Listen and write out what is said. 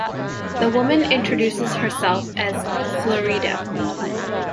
The woman introduces herself as Flerida.